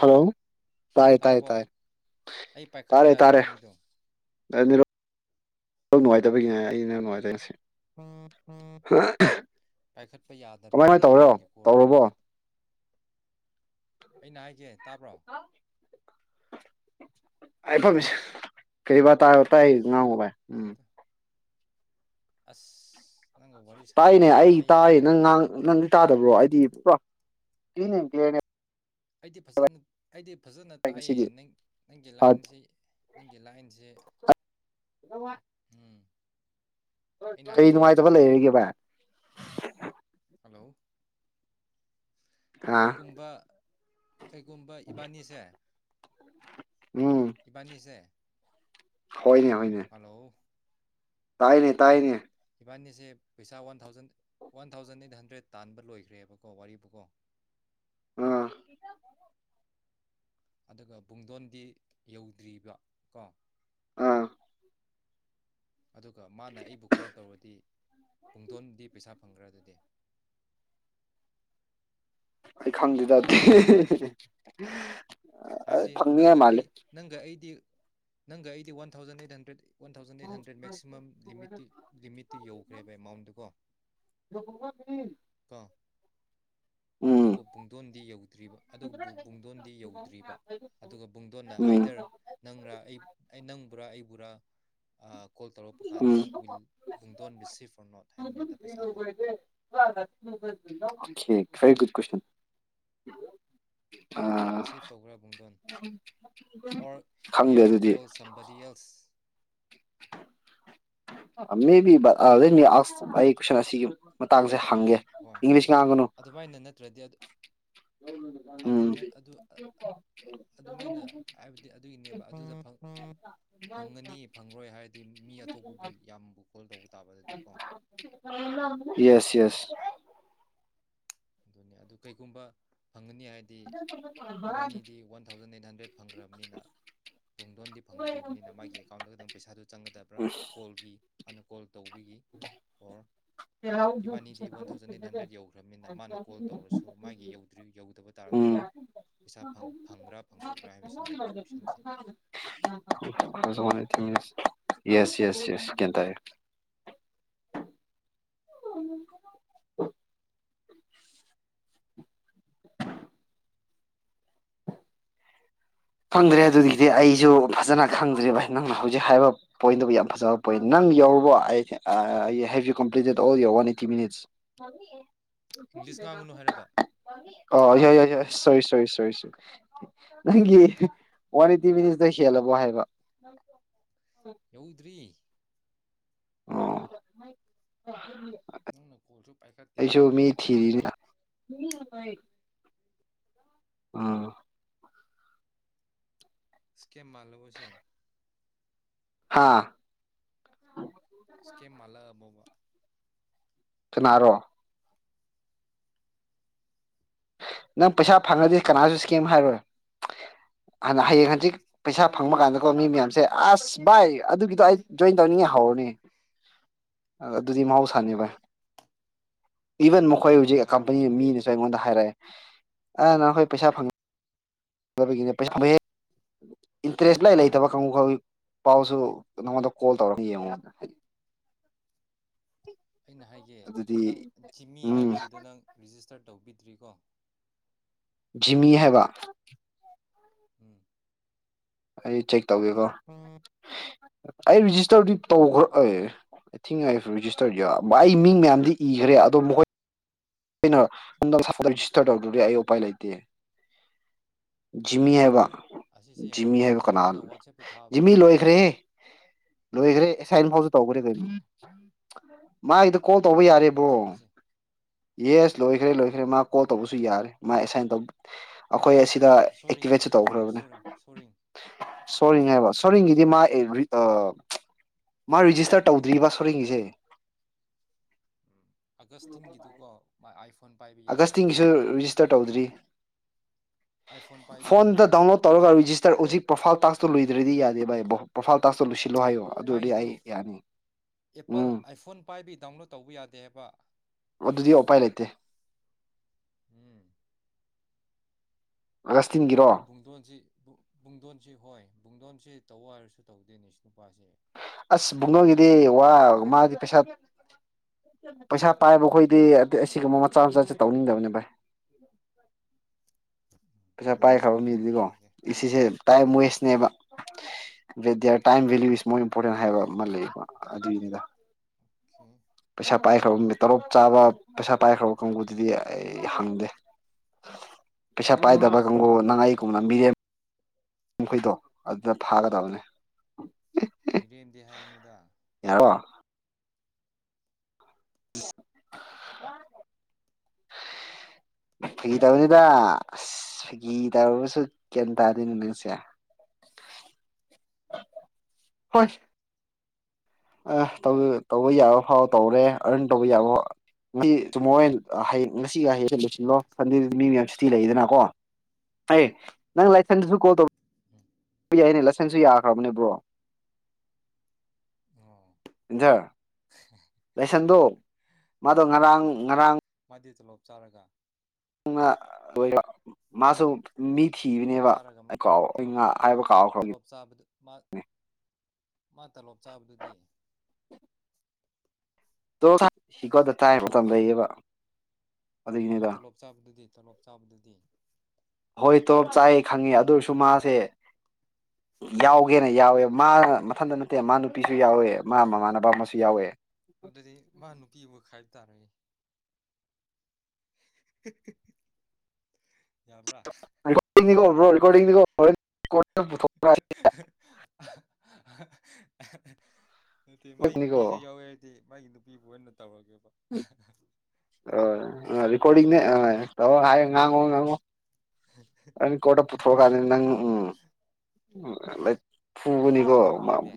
Hello ꯇꯥꯏ ꯇꯥꯏ ꯇꯥꯏ ꯇꯥꯔꯕꯣ ꯑꯩ ꯄꯥꯏꯈꯠꯄ ꯇꯥꯔꯦ ꯌꯥꯗꯦ ꯇꯥꯔꯦ ꯅꯪꯒꯤꯗꯣ [unintelligible] ꯀꯃꯥꯏ ꯄꯥꯏꯈꯠꯄ ꯀꯥꯏꯅ ꯌꯥꯗꯕꯒꯤꯅꯦꯕ ꯇꯧꯔꯣ ꯅꯪꯒꯤ ꯀꯣꯜꯗꯣ ꯇꯧꯔꯕꯣ ꯑꯩꯅ ꯍꯥꯏꯒꯦ ꯇꯥꯕ꯭ꯔꯣ ꯑꯩ ꯍꯜꯂꯣ ꯄꯔꯣꯝꯃꯤꯁꯦ ꯀꯔꯤ ꯇꯥ ꯇꯥꯏ ꯉꯥꯡꯉꯨ ꯚꯥꯏ ꯎꯝ ꯑꯁ ꯅꯪꯒ ꯋꯥꯔꯤ ꯇꯥꯏꯅꯦ ꯁꯥꯟꯅꯕꯁꯦ ꯑꯩ ꯋꯥꯏꯍꯦ ꯇꯥꯏ ꯅꯪ ꯅꯪꯗꯤ ꯇꯥꯗꯕ꯭ꯔꯣ ꯑꯩꯗꯤ ꯄꯨꯔꯥ ꯑꯩꯗꯤ ꯐꯖꯅ ꯑꯩꯗꯤ ꯐꯖꯅ ꯚꯥꯏ ꯇꯥꯏꯌꯦ ꯉꯁꯤꯗꯤ ꯅ ꯅꯪꯒꯤ ꯐꯠ ꯂꯥꯏꯟꯁꯤ ꯅꯪꯒꯤ ꯂꯥꯏꯟꯁꯦ ꯑ ꯋꯥ ꯎꯝ ꯑꯩꯅ ꯀꯩ ꯍꯥꯏꯒꯦ ꯅꯨꯡꯉꯥꯏꯇꯕ ꯂꯩꯔꯒꯦꯕ ꯍꯜꯂꯣ ꯑꯥ ꯀꯩ ꯀꯨꯝꯕ ꯀꯩꯒꯨꯝꯕ ꯏꯕꯥꯅꯤꯁꯦ ꯎꯝ ꯏꯕꯥꯅꯤꯁ ꯍꯣꯏꯅꯦ ꯍꯣꯏꯅꯦ ꯍꯜꯂꯣ ꯇꯥꯏꯅꯦ ꯇꯥꯏꯅꯦ ꯏꯕꯥꯅꯤꯁꯦ ꯄꯩꯁꯥ one thousand one thousand eight hundred ꯇꯥꯟꯕ ꯂꯣꯏꯈ꯭ꯔꯦꯕꯀꯣ ꯋꯥꯔꯤꯕꯨꯀꯣ [inaudible] ꯑꯥ ꯑꯗꯨꯒ ꯄꯨꯡꯗꯣꯟꯗꯤ ꯌꯧꯗ꯭ꯔꯤꯕ ꯀꯣ ꯑꯥ ꯑꯗꯨꯒ ꯃꯥꯅ ꯑꯩꯕꯨ ꯀꯣꯜ ꯇꯧꯔꯗꯤ ꯄꯨꯡꯗꯣꯟꯗꯤ ꯄꯩꯁꯥ ꯐꯪꯈ꯭ꯔ ꯑꯗꯨꯗꯤ ꯑꯩ ꯈꯪꯗꯦꯗꯗꯤ ꯍꯥꯏꯕꯗꯤ ꯅꯪꯒ ꯑꯩ ꯅꯪꯒ ꯑꯩꯗꯤ ꯅꯪꯒ ꯑꯩꯗꯤ one thousand eight hundred one thousand eight hundred maximum ꯂꯤꯃꯤꯠꯇꯤ ꯂꯤꯃꯤꯠꯇ ꯌꯧꯈ꯭ꯔꯦꯕ ꯑꯦꯃꯥꯎꯟꯗꯨꯀꯣ [unintelligible] ꯀꯣ ꯎꯝ ꯑꯗꯨꯕꯨ ꯄꯨꯡꯗꯣꯟꯗꯤ ꯌꯧꯗ꯭ꯔꯤꯕ ꯑꯗꯨꯕꯨ ꯄꯨꯡꯗꯣꯟꯗꯤ ꯌꯧꯗ꯭ꯔꯤꯕ ꯑꯗꯨꯒ ꯄꯨꯡꯗꯣꯟꯅ ꯎꯝ ꯑꯥꯏꯗꯔ ꯅꯪꯔꯥ ꯑꯩ ꯅꯪꯕꯨꯔꯥ ꯑꯩꯕꯨꯔꯥ ꯀꯣꯜ ꯇꯧꯔꯛ ꯎꯝ ꯀꯥꯟꯗ ꯋꯤꯜ ꯑꯣꯀꯦ ꯄꯨꯡꯗꯣꯟ ꯕꯤꯁꯤ ꯐꯣꯔ ꯅꯣꯠ ꯍꯥꯏꯕꯅꯦꯗ ꯄꯩꯁꯥꯗꯣ ꯐꯔꯤꯒꯨꯗ ꯀꯁꯟ ꯑ ꯔꯤꯁꯤꯞ ꯇꯧꯈ꯭ꯔꯥ ꯄꯨꯡꯗꯣꯟ ꯑꯣꯔ ꯍꯤ ꯈꯪꯗꯦ ꯍꯦꯞ ꯇꯨ ꯑꯗꯨꯗꯤ ꯀꯣꯜ ꯁꯝꯕꯗꯤ ꯑꯦꯛꯁ [inaudible] ꯃꯦ ꯕꯤ ꯑ ꯑꯩ ꯀꯨꯁꯟ ꯑꯁꯤꯒꯤ ꯃꯇꯥꯡꯁꯦ ꯍꯪꯒꯦ ꯍꯣꯏ ꯏꯪꯂꯤꯁ ꯉꯥꯡꯒꯅꯨ ꯑꯗꯨꯃꯥꯏꯅ ꯅꯠꯇ꯭ꯔꯗꯤ ꯑꯗꯨ ꯎꯝ ꯑꯗꯨꯅ ꯑꯗꯨ ꯑꯗꯨꯃꯥꯏꯅ ꯍꯥꯏꯕꯗꯤ ꯑꯗꯨꯒꯤꯅꯦꯕ ꯑꯗꯨꯗꯪ ꯐꯪꯉꯅꯤ ꯐꯪꯔꯣꯏ ꯍꯥꯏꯔꯗꯤ ꯃꯤ ꯑꯇꯣꯞꯄꯕꯨ ꯌꯥꯝꯕꯨ ꯀꯣꯜ ꯇꯧꯕ ꯇꯥꯕ ꯑꯗꯨꯗꯤ ꯀꯣ ꯌꯦꯁ ꯌꯦꯁ ꯑꯗꯨꯅꯤ ꯑꯗꯨ ꯀꯩꯒꯨꯝꯕ ꯐꯪꯒꯅꯤ ꯍꯥꯏ ꯗꯤ ꯏꯕꯥꯅꯤꯗꯤ ꯋꯥꯟ ꯊꯥꯎꯖꯟ ꯑꯩꯠ ꯍꯟꯗ꯭ꯔꯦꯠ ꯐꯪꯈ꯭ꯔꯕꯅꯤꯅ ꯄꯨꯡꯗꯣꯟꯗꯤ ꯐꯪꯗ꯭ꯔꯤꯕꯅꯤꯅ ꯃꯥꯒꯤ ꯑꯦꯀꯥꯎꯟꯗ ꯈꯛꯇꯪ ꯄꯩꯁꯥꯗꯨ ꯆꯪꯒꯗꯕ꯭ꯔꯥ ꯀꯣꯜꯒꯤ ꯍꯥꯟꯅ ꯀꯣꯜ ꯇꯧꯕꯤꯈꯤ ꯑꯣꯔ ꯏꯕꯥꯅꯤꯗꯤ ꯋꯥꯟ ꯊꯥꯎꯖꯟ ꯑꯩꯠ ꯍꯟꯗ꯭ꯔꯦꯗ ꯌꯧꯈ꯭ꯔꯅꯤꯅ ꯃꯥꯅ ꯀꯣꯜ ꯇꯧꯔꯁꯨ ꯃꯥꯒꯤ꯭ ꯌꯧꯗꯕ ꯎꯝ ꯇꯥꯔꯁꯨ ꯄꯩꯁꯥ ꯐꯪꯕ꯭ꯔꯥ ꯐꯪꯕꯣꯏꯕ꯭ꯔꯥ ꯍꯥꯏꯕꯁꯤꯅꯦꯕ ꯀꯣꯏꯁꯟꯁꯦ ꯊ ꯌꯦꯁ ꯌꯦꯁ ꯌꯦꯁ ꯒꯌ꯭ꯥꯟ ꯇꯔꯦ [inaudible] ꯈꯪꯗ꯭ꯔꯦ ꯑꯗꯨꯒꯤꯗꯤ ꯑꯩꯁꯨ ꯐꯖꯅ ꯈꯪꯗ꯭꯭ꯔꯦꯕ ꯅꯪꯅ ꯍꯧꯖꯤꯛ ꯍꯥꯏꯕ ꯄꯣꯏꯟꯗꯨꯕꯨ ꯌꯥꯝ ꯐꯖꯕ ꯄꯣꯏꯟ ꯅꯪ ꯌꯧꯨꯔꯕꯣ ꯍꯦ U complete all your one eighty minutes English ꯉꯥꯡꯒꯅꯨ ꯍꯥꯏꯔꯒ [inaudible] ꯑꯣ ꯍꯏ ꯍꯣꯏ ꯁꯣꯏ ꯁꯣꯔꯤ ꯁꯣꯔꯤ ꯁ ꯅꯪꯒꯤ ꯋꯥꯟ ꯑꯦꯠꯇꯤ ꯃꯤꯅꯤꯠꯇꯩ ꯍꯦꯜꯂꯕꯣ ꯍꯥꯏꯕ ꯌꯧꯗ꯭ꯔꯤ ꯑꯣ ꯅꯪꯅ ꯀꯣꯜꯁꯨ ꯄꯥꯏꯈꯠꯇꯦ ꯑꯩꯁꯨ ꯃꯤ ꯊꯤꯔꯤꯅꯤ [inaudible] ꯑ ꯏꯁ꯭ꯀꯦꯝ ꯃꯥꯜꯂꯕꯣꯁꯦ ꯍꯥꯥ ꯏꯁꯀꯦꯝ ꯃꯥꯜꯂꯛ ꯑꯕꯣꯕ ꯀꯅꯥꯔꯣ ꯅꯪ ꯄꯩꯁꯥ ꯃꯤ ꯐꯪꯉꯗꯤ ꯌꯧꯗ꯭ꯔꯦ ꯀꯅꯥꯁꯨ ꯍꯥꯏꯕꯁꯤ ꯏꯁꯀꯦꯝ ꯅꯪ ꯍꯥꯏꯔꯣꯏ ꯍꯌꯦꯡ ꯍꯖꯤꯛ ꯄꯩꯁꯥ ꯐꯪꯕ ꯀꯥꯟꯗꯀꯣ ꯃꯤ ꯃꯌꯥꯝꯁꯦ ꯑꯁ ꯚꯥꯏ ꯑꯗꯨꯒꯤꯗꯣ ꯑꯩ ꯖꯣꯏꯟ ꯇꯧꯅꯤꯡꯉꯦ ꯍꯧꯔꯅꯦ ꯑ ꯑꯗꯨꯗꯤ ꯃꯍꯥꯎꯁꯥꯅꯦ ꯚꯥꯏ ꯏꯚꯟ ꯃꯈꯣꯏ ꯑꯗꯣ ꯑꯩꯅ ꯍꯧꯖꯤꯛ ꯀꯝꯄꯅꯤ ꯍꯥꯏꯕꯗꯨ ꯃꯤꯅꯁꯨ ꯑꯩꯉꯣꯟꯗ ꯍꯥꯏꯔꯛꯑꯦ ꯑ ꯅꯈꯣꯏ ꯄꯩꯁꯥ ꯐꯪ ꯕꯒꯤꯅꯦ ꯄꯩꯁꯥ ꯏꯟꯇꯔꯦꯁ ꯂꯥꯏ ꯂꯩꯇꯕ ꯀꯥꯡꯪꯉꯨ ꯈ ꯄꯥꯎꯁꯨ ꯅꯪꯉꯣꯟꯗ ꯀꯣꯜ ꯇꯧꯔꯒ ꯌꯦꯡꯉꯣꯗ ꯍꯥꯏꯗꯤ [inaudible] ꯑꯩꯅ ꯍꯥꯏꯒꯦ ꯅꯪ ꯑꯗꯨꯗꯤ ꯖꯤꯃꯤ ꯎꯝ ꯍꯥꯏꯕꯒꯤꯗꯣ ꯅꯪ ꯔꯤꯖꯤꯁꯇꯔ ꯇꯧꯕꯤꯗ꯭ꯔꯤꯀꯣ ꯖꯤꯃꯤ ꯍꯥꯏꯕ ꯎꯝ ꯑꯩ ꯆꯦꯛ ꯇꯧꯒꯦꯀꯣ ꯍꯥꯞ ꯑꯩ ꯦꯖꯤꯁꯇꯔꯗꯤ ꯇꯧꯈ꯭ꯔꯛꯑꯦꯤꯡꯦꯖꯤꯁꯇꯔ ꯃꯤ ꯃꯌꯥꯝꯗꯤ ꯏꯈ꯭ꯔꯦ ꯑꯗꯣ ꯃꯈꯣꯏ ꯑꯩꯅ ꯅꯦꯖꯤꯁꯇꯔ ꯇꯧꯗꯦ ꯑꯩ ꯎꯄꯥꯏ ꯂꯩꯇꯦ ꯖꯤꯃꯤ ꯍꯥꯏꯕ ꯑꯁꯤꯁꯦ ꯌꯦꯡꯉꯣ ꯖꯤꯃꯤ ꯍꯥꯏꯕ ꯀꯅꯥꯜ ꯑꯩꯅ ꯋꯥꯆꯦꯞꯇ ꯊꯥꯕꯗ ꯖꯤꯃꯤ ꯌꯦꯡꯉꯣ ꯂꯣꯏꯈ꯭ꯔꯦꯍꯦ ꯂꯣꯏꯈ꯭ꯔꯦ ꯑꯦꯁꯥꯏꯟ ꯐꯥꯎꯁꯨ ꯇꯧꯈ꯭ꯔꯦ ꯀꯩꯅꯣꯒꯤ ꯀꯣꯜ ꯁꯤ ꯇꯧꯕ ꯂꯣꯏꯈ꯭ꯔꯕ ꯌꯥꯔꯤꯕ꯭ꯔꯣ ꯖꯤꯃꯤꯁꯦ ꯌꯦꯁ ꯂꯣꯏꯈ꯭ꯔꯦ ꯂꯣꯏꯈ꯭ꯔꯦ ꯑꯣ ꯃꯥ ꯀꯣꯜ ꯂꯣꯏꯈ꯭ꯔꯦ ꯇꯧꯕꯁꯨ ꯌꯥꯔꯦ ꯃꯥ ꯑꯦꯁꯥꯏꯟ ꯇ ꯑꯩꯈꯣꯏ ꯑꯦꯛꯇꯤꯚꯦꯠ ꯁꯣꯔꯤꯡꯒꯤꯗꯤ ꯁꯣꯔꯤꯡ ꯇꯧꯈ꯭ꯔꯕꯅꯦ ꯁꯣꯔꯤꯡ ꯁꯣꯔꯤꯡ ꯁꯣꯔꯤ ꯁꯣꯔꯤꯡ ꯉꯥꯏ ꯁꯣꯔꯦꯡꯒꯤꯗꯤ ꯃꯥ ꯃꯥ ꯔꯤꯖꯤꯁꯇꯔ ꯇꯧꯗ꯭ꯔꯤꯕ ꯁꯣꯔꯦꯡꯒꯤꯁꯦ ꯎꯝ ꯑꯥꯒꯁꯇꯤꯟꯒꯤꯗꯨꯀꯣ ꯑꯥꯏꯐꯣꯟ ꯄꯥꯏꯕ ꯌꯥꯗ꯭ꯔꯦ ꯁꯨ ꯔꯤꯖꯤꯁꯇꯔ ꯇꯧꯗ꯭ꯔꯤ ꯑꯥꯏꯐꯣꯟ ꯄꯥꯏꯕꯤ ꯐꯣꯟꯗ ꯌꯥꯗꯦ ꯍꯥꯏꯌꯦ ꯗꯥꯎꯟꯂꯣꯗ ꯇꯧꯔꯒ ꯔꯤꯖꯤꯁꯇꯔ ꯍꯧꯖꯤꯛ ꯄ꯭ꯔꯣꯐꯥꯏꯜ ꯇꯥꯛꯁꯇꯣ ꯂꯣꯏꯗ꯭ꯔꯗꯤ ꯌꯥꯗꯦ ꯚꯥꯏꯕꯣ ꯄ꯭ꯔꯣꯐꯥꯏꯜ ꯇꯥꯛꯁꯇꯣ ꯂꯣꯏꯁꯤꯜꯂꯣ ꯍꯥꯏꯌꯣ ꯑꯗꯨ ꯑꯣꯏꯔꯗꯤ ꯃꯥꯒꯤꯗꯣ ꯑꯩ ꯌꯥꯅꯤ ꯑꯦꯄꯜ ꯎꯝ ꯑꯥꯏꯐꯣꯟ ꯄꯥꯏꯕꯩ ꯗꯥꯎꯟꯂꯣꯗ ꯇꯧꯕ ꯌꯥꯗꯦ ꯍꯥꯏꯕ ꯑꯗꯨꯗꯤ ꯑꯣꯄꯥꯏ ꯂꯩꯇꯦ ꯎꯝ ꯑꯒꯁꯇꯤꯟꯒꯤ ꯅꯣꯏ ꯕꯨꯡꯗꯣꯟꯁꯤ ꯕꯨꯡ ꯕꯨꯡꯗꯣꯟꯁꯤ ꯍꯣꯏ ꯕꯨꯡꯗꯣꯟꯁꯤ ꯇꯧꯌꯣ ꯍꯥꯏꯔꯁꯨ ꯇꯧꯗꯦꯅꯦ ꯁꯤ ꯅꯨꯄꯥꯁꯦ ꯑꯁ ꯕꯨꯡꯗꯣꯟꯒꯤꯗꯤ ꯑꯩ ꯋꯥ ꯃꯥꯗꯤ ꯄꯩꯁꯥ ꯄꯩꯁꯥ ꯄꯥꯏꯕ ꯈꯣꯏꯗꯤ ꯑꯇꯦ ꯑꯁꯤꯒꯨꯝꯕ ꯃꯆꯥ ꯃꯆꯥꯁꯦ ꯇꯧꯅꯤꯡꯗꯕꯅꯤ ꯚꯥꯏ ꯄꯩꯁꯥ ꯑꯗꯨꯗꯤ ꯄꯥꯏꯈ꯭ꯔꯕ ꯁꯣꯂꯣꯃꯣꯟꯕꯨ ꯃꯤꯗꯨꯗꯤꯀꯣ ꯍꯥꯏꯒꯦ ꯑꯦꯁꯤꯁꯦ ꯇꯥꯏꯝ ꯋꯦꯁꯅꯦꯕ ꯕꯦꯗꯤꯌꯥꯔ time value is more important ꯍꯥꯏꯕ ꯑꯃ ꯂꯩꯌꯦꯕ ꯑꯗꯨꯒꯤꯅꯤꯗ ꯑꯣꯀꯦ ꯄꯩꯁꯥ ꯄꯥꯏꯈ꯭ꯔꯕ ꯃꯤ ꯇꯔꯣꯞ ꯆꯥꯕ ꯄꯩꯁꯥ ꯄꯥꯏꯈ꯭ꯔꯕ ꯀꯥꯡꯕꯨꯗꯨꯗꯤ ꯑꯩ ꯍꯪꯗꯦ ꯄꯩꯁꯥ ꯄꯥꯏꯗꯕ ꯀꯥꯡꯒꯨ ꯅꯪ ꯑꯩꯒꯨꯝꯕ ꯃꯤꯔꯦꯝ ꯃꯈꯣꯏꯗꯣ ꯑꯗꯨꯗ ꯊꯥꯒꯗꯕꯅꯦ ꯃꯤꯔꯦꯝꯗꯤ ꯍꯥꯏꯒꯅꯨꯗ ꯌꯥꯔꯣ [unintelligible] [unintelligible] ꯐꯥꯒꯤ ꯇꯧꯕꯅꯤꯗ ꯑꯁ ꯑꯁ ꯐꯥꯒꯤ ꯇꯧꯔꯁꯨ ꯒ꯭ꯌꯥꯟ ꯇꯥꯗꯦꯅꯦ ꯅꯪꯁꯦ [inaudible] ꯍꯣꯏ ꯑꯍ ꯇꯧ ꯇꯧꯕ ꯌꯥꯕ ꯐꯥꯎ ꯇꯧꯔꯦ ꯑꯔꯟ ꯇꯧꯕ ꯌꯥꯕꯥꯎ ꯉꯁꯤ ꯇꯨꯝꯃꯣꯏꯟ ꯍ ꯍꯌꯦꯡ ꯉꯁꯤꯒ ꯍꯌꯦꯡꯁꯦ ꯂꯣꯏꯁꯤꯜꯂꯣ ꯁꯟꯗꯦꯗꯗꯤ ꯃꯤ ꯃꯌꯥꯝ ꯁꯨꯇꯤ ꯂꯩꯌꯦꯗꯅꯀꯣ ꯑꯦꯍ ꯅꯪ ꯂꯥꯏꯊꯟꯗꯁꯨ ꯀꯣꯜ ꯇꯧ__ ꯍꯨꯝ ꯍꯣꯏ ꯌꯥꯏꯅꯦ ꯂꯁꯟꯁꯨ ꯌꯥꯈ꯭ꯔꯕꯅꯦ ꯕ꯭ꯔꯣ ꯑꯣ ꯏꯟꯖꯔ [unintelligible] ꯂꯥꯏꯁꯟꯗꯣ ꯃꯥꯗꯣ ꯂꯥꯏꯁꯟꯔꯣ ꯉꯔꯥꯡ ꯉꯔꯥꯡ ꯃꯥꯗꯤ ꯇꯣꯂꯣꯞ ꯆꯥꯔꯒ ꯎꯉ ꯂꯣꯏꯔꯦ ꯃꯥꯁꯨꯞ ꯃꯤ ꯇꯣꯂꯣꯞ ꯊꯤꯕꯅꯦꯕ ꯑꯩ ꯀꯥꯎ ꯑꯩ ꯉꯥ ꯍꯥꯏꯕ ꯀꯥꯎꯈ꯭ꯔꯕꯒꯤ__ ꯆꯥꯕꯗ ꯃꯥ ꯃꯥ ꯇꯣꯂꯣꯞ ꯆꯥꯕꯗꯨꯗꯤ ꯇꯣꯂꯣꯞ ꯆꯥ ꯍꯤ ꯒꯣꯠ ꯗ ꯇꯥꯏꯝ ꯃꯇꯝ ꯂꯩꯌꯦꯕ ꯃꯥ ꯑꯗꯨꯒꯤꯅꯤꯗ ꯇꯣꯂꯣꯞ ꯆꯥꯕꯗꯨꯗꯤ ꯇꯣꯂꯣꯞ ꯆꯥꯕꯗꯨꯗꯤ ꯍꯣꯏ ꯇꯣꯂꯣꯞ ꯆꯥꯏꯌꯦ ꯈꯪꯉꯦ ꯑꯗꯨ ꯑꯣꯏꯔꯁꯨ ꯃꯥꯁꯦ [unintelligible] ꯌꯥꯎꯒꯦꯅ ꯌꯥꯎꯋꯦꯕ ꯃꯥ ꯃꯊꯟꯇ ꯅꯠꯇꯦ ꯃꯥ ꯅꯨꯄꯤꯁꯨ ꯌꯥꯎꯋꯦ ꯃꯥ ꯃꯃꯥꯟꯅꯕ ꯑꯃꯁꯨ ꯌꯥꯎꯋꯦ ꯑꯗꯨꯗꯤ ꯃꯥ ꯅꯨꯄꯤꯕꯨ ꯈꯥꯏꯕ ꯇꯥꯔꯦꯍꯦ [unintelligible] ꯌꯥꯕ꯭ꯔꯥ [unintelligible] [unintelligible] ꯔꯦꯀꯣꯔꯗꯤꯡꯅꯤꯀꯣ ꯕ꯭ꯔꯣ ꯔꯦꯀꯣꯔꯗꯤꯡꯅꯤꯀꯣ ꯍꯣꯔꯦꯟ ꯀꯣꯟꯅ ꯄꯨꯊꯣꯛꯅꯤꯀꯣ ꯅꯠꯇꯦ ꯃꯥꯒꯤ ꯅꯨꯄꯤꯁꯨ ꯌꯥꯎꯋꯦ__ ꯇꯦ ꯃꯥꯒꯤ ꯅꯨꯄꯤꯕꯨ ꯑꯣꯏꯅ ꯇꯧꯔꯒꯦꯕ ꯑ ꯔꯦꯀꯣꯔꯗꯤꯡꯅꯦ ꯑ ꯇꯧꯌꯣ ꯍꯥꯏꯑꯦ ꯉꯥꯡꯉꯣ ꯉꯥꯡꯉꯣ ꯑꯪ ꯀꯣꯔꯇ ꯄꯨꯊꯣꯛꯑ ꯀꯥꯟꯗ ꯅꯪ ꯎꯝ ꯎꯝ ꯂꯠ ꯐꯨꯒꯅꯤꯀꯣ ꯐꯥꯒꯤꯁꯨ ꯇꯧꯕ ꯃꯥꯕꯨ ꯌꯥꯗꯦ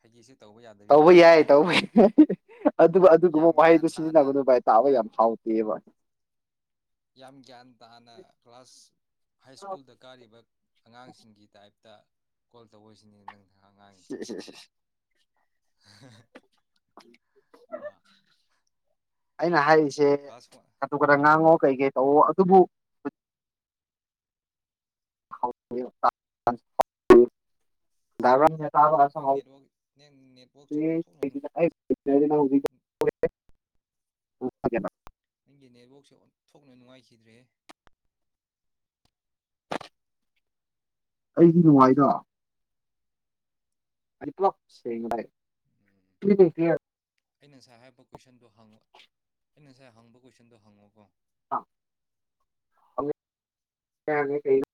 ꯐꯥꯒꯤꯁꯨ ꯇꯧꯕ ꯌꯥꯗꯕꯤ ꯇꯧꯕ ꯃꯑꯣꯡꯅꯤꯅꯦ ꯌꯥꯏ ꯑꯗꯨꯗꯤ ꯇꯧꯕ ꯌꯥꯏ ꯑꯗꯨꯕꯨ ꯑꯗꯨꯒꯨꯝꯕ ꯌꯥꯝ ꯒ꯭ꯌꯥꯟ ꯋꯥꯍꯩꯗꯨ ꯇꯥꯅ ꯁꯤꯖꯤꯟꯅꯒꯅꯨ ꯚꯥꯏ ꯇꯥꯕ ꯌꯥꯝ ꯍꯥꯎꯇꯦꯕ ꯌꯥꯝ ꯒ꯭ꯌꯥꯟ ꯇꯥꯅ ꯀ꯭ꯂꯥꯁ ꯍꯥꯏ ꯁ꯭ꯀꯨꯜꯗ ꯀꯥꯔꯤꯕ ꯑꯉꯥꯡꯁꯤꯡꯒꯤ ꯇꯥꯏꯞꯇ ꯀꯣꯜ ꯇꯧꯌꯣ ꯁꯤꯅꯤ ꯅꯪ ꯍ ꯉꯁ [inaudible] ꯍꯥꯥ ꯑꯩꯅ ꯍꯥꯏꯔꯤꯁꯦ ꯀ꯭ꯂꯥꯁ ꯋꯥꯟ ꯀꯇ ꯈꯔ ꯉꯥꯡꯉꯣ ꯀꯩ ꯀꯩ ꯇꯧꯑꯣ ꯑꯗꯨꯕꯨ [inaudible] ꯆꯥꯕ ꯑꯩ ꯅꯪ ꯅꯦꯠꯋꯥꯛ ꯅꯪ ꯅꯦꯠꯋꯥꯛꯁꯦ ꯑꯣꯟꯊꯣꯛꯅ ꯅ ꯍꯧ ꯅꯪꯒꯤ ꯅꯦꯠꯋꯥꯛꯁꯦ ꯑꯣꯟꯊꯣꯛꯅ ꯅꯨꯡꯉꯥꯏꯈꯤꯗ꯭ꯔꯦ ꯑꯩꯒꯤ ꯅꯨꯡꯉꯥꯏꯗ ꯑꯁꯦ ꯎꯝ ꯀ ꯑꯩꯅ ꯉꯁꯥꯏ ꯍꯥꯏꯕ ꯀꯣꯏꯁꯟꯗꯣ ꯍꯪꯉꯣ ꯑꯩꯅ ꯉꯁꯥꯏ ꯍꯪꯕ ꯀꯣꯏꯁꯟꯗꯣ ꯍꯪꯉꯣꯀꯣ ꯀ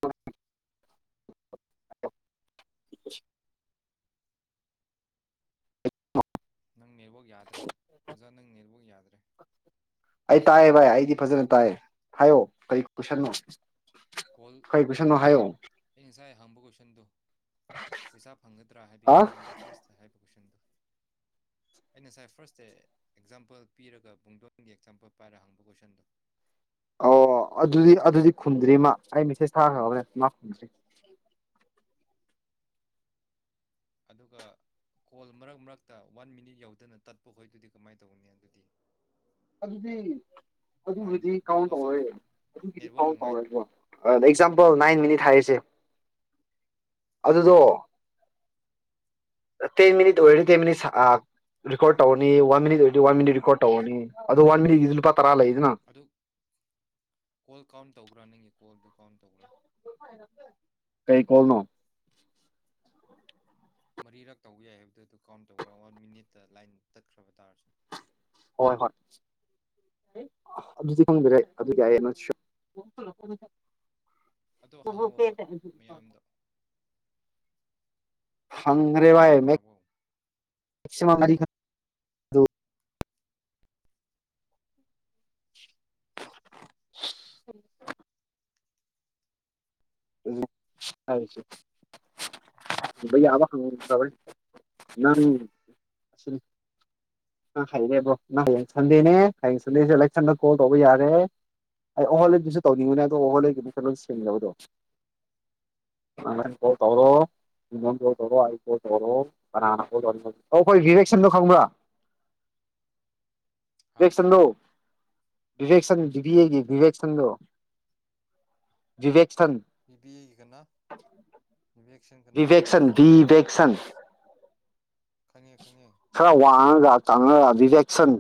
[inaudible] ꯅꯪ ꯅꯦꯠꯋ ꯌꯥꯗ꯭ꯔꯦ ꯑꯣꯖꯥ ꯅꯪ ꯅꯦꯠꯋ ꯌꯥꯗ꯭ꯔꯦ ꯑꯩ ꯇꯥꯏꯌꯦ ꯚꯥꯏ ꯑꯩꯗꯤ ꯐꯖꯅ ꯇꯥꯏꯌꯦ ꯍꯥꯏꯌꯣ ꯀꯔꯤ ꯀꯣꯏꯁꯟꯅꯣ ꯀꯣꯜ ꯀꯔꯤ ꯀꯣ ꯀꯣꯏꯁꯟꯅꯣ ꯍꯥꯏꯌꯣ ꯑꯟꯁꯥꯏ ꯍꯥꯡꯕ ꯀꯣꯏꯁꯟꯗꯨꯣ ꯄꯩꯁꯥ ꯐꯪꯒꯗ꯭ꯔꯥ ꯑ ꯍꯥꯏꯕꯒꯤ ꯀꯣꯏꯁꯟꯗꯨꯣ ꯐꯥꯔꯁꯇ ꯍꯥꯏꯕ ꯀꯣꯏꯁꯟꯗꯨ ꯑ ꯉꯁꯥꯏ ꯐꯥꯔꯁ ꯗ ꯑꯦꯛꯖꯥꯝꯄꯜ ꯄꯤꯔꯒ ꯨꯡꯗꯣꯟꯒꯤ ꯑꯦꯛꯖꯥꯝꯄꯜ ꯄꯥꯏꯔ ꯍꯪꯕ ꯀꯣꯏꯁꯟꯗꯣ ꯑꯣ ꯑꯗꯨꯗꯤ ꯑꯗꯨꯗꯤ ꯈꯨꯝꯗ꯭ꯔꯤ ꯃꯥ ꯑꯩ ꯃꯦꯁꯦꯖ ꯊꯥꯈ꯭ꯔꯕꯅꯦ ꯃꯥ ꯈꯨꯝꯟꯗ꯭ꯔꯤ ꯑꯗꯨꯒ ꯀꯣꯜ ꯃꯔꯛ ꯃꯔꯛꯇ ꯋꯥꯟ ꯃꯤꯅꯤꯠ ꯌꯧꯗꯅ ꯇꯠꯄꯈꯣꯏꯗꯨꯗꯤ ꯀꯃꯥꯏꯅ ꯇꯧꯅꯤ ꯑꯗꯨꯗꯤ ꯑꯗꯨꯗꯤ ꯂꯥꯏꯟ ꯑꯗꯨꯕꯨꯗꯤ ꯀꯥꯎꯟ ꯕꯤꯀꯣꯁ ꯇꯧꯔꯣꯏ ꯑꯣꯐ ꯅꯦꯠꯋꯥꯛ ꯅꯨꯡꯉꯥꯏ ꯅꯦꯠꯋꯥꯛ ꯑꯦꯛꯖꯥꯝꯄꯜ ꯅꯥꯏꯟ ꯅꯨꯡꯉꯥꯏꯇꯕꯩ ꯃꯤꯅꯤꯠ ꯍꯥꯏꯔꯤꯁꯦ ꯑꯗꯨꯗꯣ ꯇꯩꯃꯤꯅꯤ ꯗꯣꯏ ꯇꯃꯤꯅꯤ ꯁꯥ ꯔꯤꯀꯣꯔꯠ ꯇꯧꯧꯕꯅꯤ ꯋꯥꯟ ꯃꯤꯠ ꯑꯣꯏꯔꯗꯤ ꯋꯥꯟ ꯃꯤꯠ ꯔꯤꯀꯣꯔꯠ ꯇꯧꯧꯕꯅꯤ ꯑꯗꯨ ꯋꯥꯟ ꯃꯤꯠꯗꯤ ꯂꯨꯄꯥ ꯇꯔꯥ ꯂꯩꯗꯅ ꯑꯗꯨ ꯀꯣꯜ ꯀꯥꯎꯟ ꯇꯧꯕ꯭ꯔꯥ ꯅꯪꯒꯤ ꯀꯣꯜꯗꯨ ꯀꯥꯎꯟ ꯇꯧꯕ꯭ꯔꯥ ꯀꯩ ꯀꯣꯜꯅꯣ ꯃꯔꯤꯔꯛ ꯇꯧꯕ ꯌꯥꯏ ꯍꯥꯏꯕꯗꯨ ꯑꯗꯨ ꯀꯥꯎꯟ ꯇꯧꯧꯕ꯭ꯔꯥ ꯋꯥꯟ ꯃꯤꯅꯤꯠꯇ ꯂꯥꯏꯟ ꯇꯠꯈ꯭ꯔꯕ ꯇꯥꯔꯁꯨ ꯍꯣꯏ ꯍꯣꯏ ꯑꯗꯨꯗꯤ ꯈꯪꯕꯤꯔꯦ ꯑꯗꯨꯗꯤ ꯑꯩ ꯎꯝ ꯅ ꯑꯗꯣ ꯍꯪꯉꯣꯕ ꯦ ꯃꯌꯥꯝꯗ ꯍꯪ ꯔꯦꯕꯥ ꯚꯥꯞ ꯃ ꯇꯥꯔꯕꯣ ꯎꯝ ꯎ ꯍꯥꯏꯁ [unintelligible] ꯅꯪ ꯑꯁꯤꯅꯤ ꯅꯪ ꯍꯩꯔꯦꯕ꯭ꯔꯣ ꯅꯪ ꯍꯌꯦꯡ ꯁꯟꯗꯦꯅꯦ ꯍꯌꯦꯡ ꯁꯟꯗꯦꯁꯦ ꯏꯂꯦꯛꯁꯟꯗ ꯀꯣꯜ ꯇꯧꯕ ꯌꯥꯔꯦ ꯑꯩ ꯑꯍꯣꯜꯂꯩꯗꯨꯁꯨ ꯇꯧꯅꯤꯡꯉꯅꯦ ꯑꯗꯣ ꯑꯣꯍꯣꯂꯩꯕꯗꯨ ꯈꯔ ꯂꯣꯏ ꯁꯦꯡꯅꯕꯗꯣ ꯑ ꯀꯣꯜ ꯇꯧꯔꯣ꯫ ꯉꯣꯟ ꯀꯣꯜ ꯇꯧꯔ ꯑꯩ ꯀꯣꯜ ꯇꯧꯔꯣ ꯀꯅꯥꯅ ꯀꯣꯜ ꯇꯧ ꯑꯩꯈꯣꯏ ꯔꯤꯌꯦꯦꯛꯁꯟꯗꯣ ꯈꯪꯕ꯭ꯔꯥ ꯍꯥ [unintelligible] ꯕꯤ ꯕꯤ ꯑꯦ ꯀꯅꯥ ꯒꯤꯪꯕꯤꯌꯦꯛꯁꯟ ꯕꯤꯕꯦꯛ ꯁꯟ ꯕꯤ ꯀꯅꯥ ꯕꯦꯛꯁꯟ ꯗꯤꯗꯛꯁꯟ ꯗꯤ ꯗꯛ ꯁꯟ ꯈꯪꯉꯦ ꯈꯪꯉꯦ꯫ ꯈꯔ ꯋꯥꯉꯒ ꯀꯪꯉꯒ ꯗꯤꯗꯛꯁꯟ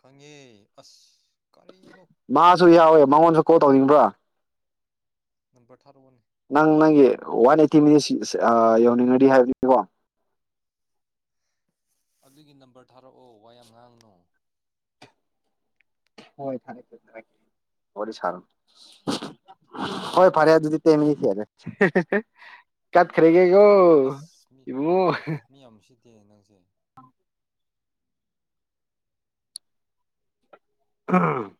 ꯈꯪꯉꯦ ꯑꯁ ꯀꯔꯤꯅꯣ꯫ ꯃꯥꯁꯨ ꯌꯥꯎꯋꯦ ꯃꯉꯣꯟꯗ ꯀꯣꯜ ꯇꯧꯅꯤꯡꯕ꯭ꯔꯥ꯫ ꯅꯝꯕꯔ ꯊꯔꯛꯑꯣꯅꯦ꯫ ꯅꯪ ꯅꯪꯒꯤ ꯋꯥꯟ ꯑꯩꯠꯇꯤ ꯃꯤꯅꯤꯠꯁ ꯌꯧꯅꯤꯡꯉꯗꯤ ꯍꯥꯏꯕꯅꯤꯀꯣ ꯑꯗꯨꯒꯤ ꯅꯝꯕꯔ ꯊꯥꯔꯛꯑꯣ ꯋꯥ ꯌꯥꯝ ꯉꯥꯡꯉꯅꯣ ꯍꯣꯏ ꯊꯥꯔꯛꯀꯦ ꯊꯥꯔꯛꯀꯦ ꯋꯥꯔꯤ ꯁꯥꯔꯣ ꯍꯣꯏ ꯐꯔꯦ ꯑꯗꯨꯗꯤ [unintelligible] ꯇꯠꯈꯔꯦꯒꯦꯒꯣ ꯑꯁ ꯃꯤ ꯏꯕꯨꯡꯉꯣ ꯃꯤ ꯌꯥꯝ ꯎꯁꯤꯠꯇꯦꯅ ꯅꯪꯁꯦ [unintelligible]